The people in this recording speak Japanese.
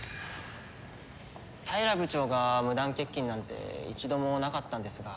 平部長が無断欠勤なんて一度もなかったんですが。